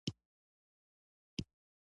د دې څپلۍ تلی ډېر پوست دی